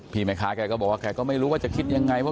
เพียรินและแมคารบอกว่าเค้าก็ไม่รู้ว่าจะคิดยังไง